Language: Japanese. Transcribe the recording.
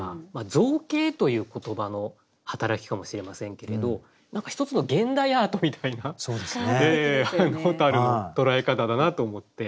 「造形」という言葉の働きかもしれませんけれど何か一つの現代アートみたいな蛍の捉え方だなと思って。